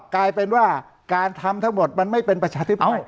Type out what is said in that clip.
กลายเป็นว่าการทำทั้งหมดมันไม่เป็นประชาธิปไตย